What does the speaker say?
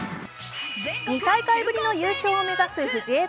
２大会ぶりの優勝を目指す藤枝